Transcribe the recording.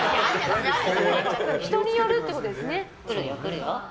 人によるってことですね。